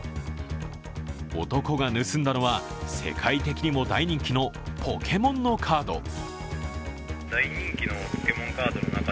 男が盗んだのは世界的にも大人気のポケモンのカード。